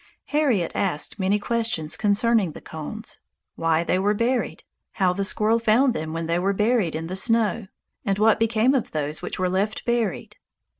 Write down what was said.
Harriet asked many questions concerning the cones, why they were buried, how the squirrel found them when they were buried in the snow, and what became of those which were left buried.